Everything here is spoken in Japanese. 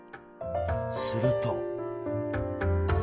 すると。